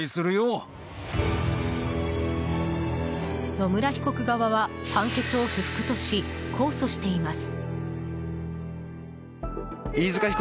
野村被告側は判決を不服とし控訴しています。